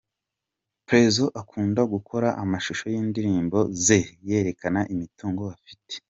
Prezzo akunda gukora amashusho y'indirimbo ze yerekana imitungo afite.